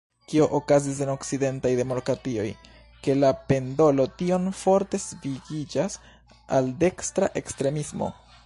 Kio okazis en okcidentaj demokratioj, ke la pendolo tiom forte svingiĝas al dekstra ekstremismo?